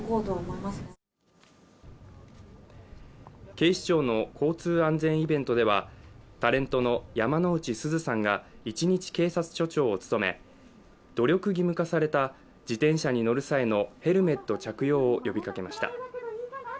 警視庁の交通安全イベントではタレントの山之内すずさんが一日警察署長を務め努力義務化された自転車に乗る際のヘルメット着用を呼びかけました。